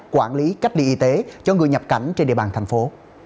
quản lý cách ly y tế cho người nhập cảnh trên địa bàn thành phố